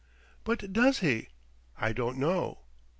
"But does he? I don't know!"